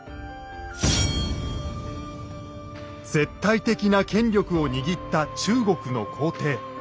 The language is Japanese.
絶対的な権力を握った中国の皇帝。